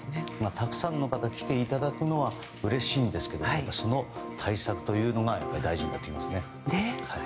たくさんの方に来ていただくのはうれしいですがその対策というのが大事になります。